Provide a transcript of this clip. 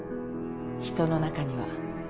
人の中には